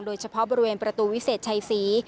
โดยเฉพาะบริเวณประตูวิเศษชัยศรี